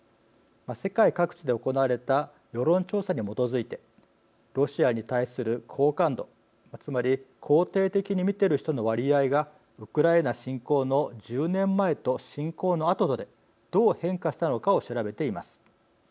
世界各地で行われた世論調査に基づいてロシアに対する好感度つまり肯定的に見ている人の割合がウクライナ侵攻の１０年前と侵攻のあととでどう変化したのかを調べています。